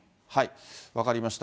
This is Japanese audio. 分かりました。